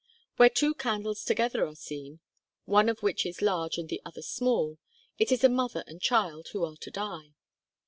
Where two candles together are seen, one of which is large and the other small, it is a mother and child who are to die.